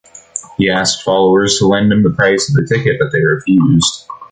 He asked followers to lend him the price of the ticket but they refused.